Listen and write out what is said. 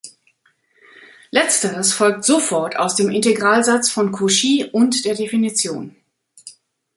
Letzteres folgt sofort aus dem Integralsatz von Cauchy und der Definition.